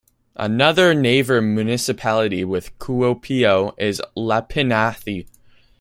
Another neighbour municipality with Kuopio is Lapinlahti.